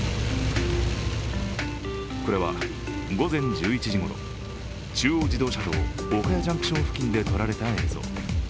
これは、午前１１時ごろ中央自動車道岡谷ジャンクション付近で撮られた映像。